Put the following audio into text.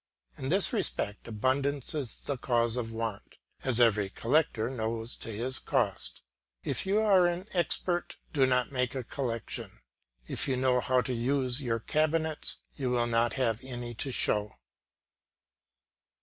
In this respect abundance is the cause of want, as every collector knows to his cost. If you are an expert, do not make a collection; if you know how to use your cabinets, you will not have any to show.